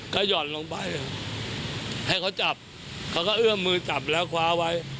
ก็หย่อนลงไปให้เขาจับเขาก็เอื้อมมือจับแล้วคว้าไว้